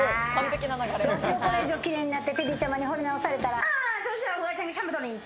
どうしよう、これ以上キレイになってテディちゃまに惚れ直されたら。